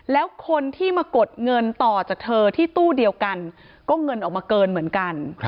แล้วคนที่มากดเงินต่อจากเธอที่ตู้เดียวกันก็เงินออกมาเกินเหมือนกัน